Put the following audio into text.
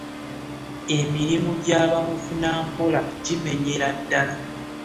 emirimu gyabamufuna mpola gimenyera ddala.